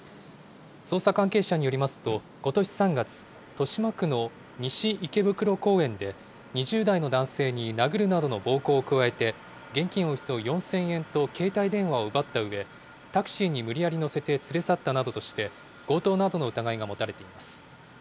捜査関係者によりますと、ことし３月、豊島区の西池袋公園で、２０代の男性に殴るなどの暴行を加えて、現金およそ４０００円と携帯電話を奪ったうえ、タクシーに無理やり乗せて連れ去ったなどとして、強盗などの疑いが持たれています。